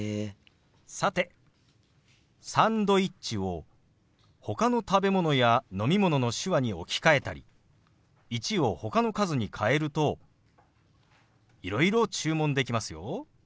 さて「サンドイッチ」をほかの食べ物や飲み物の手話に置き換えたり「１」をほかの数に変えるといろいろ注文できますよ。